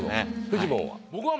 フジモンは？